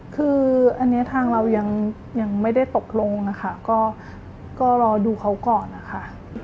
คืออันนี้ทางเรายังไม่ได้ตกลงนะคะก็รอดูเขาก่อนนะคะ